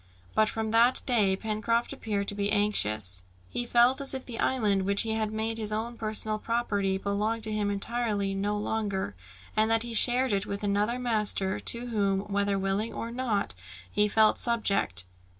But from that day, Pencroft appeared to be anxious. He felt as if the island which he had made his own personal property belonged to him entirely no longer, and that he shared it with another master, to whom whether willing or not, he felt subject.